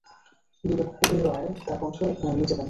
বিবেক ওবেরয় তার কন্ঠ নিজে দেন।